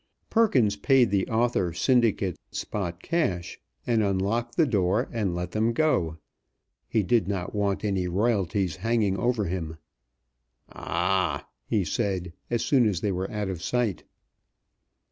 Perkins paid the author syndicate spot cash, and unlocked the door and let them go. He did not want any royalties hanging over him. "Ah!" he said, as soon as they were out of sight.